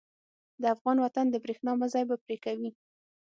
د افغان وطن د برېښنا مزی به پرې کوي.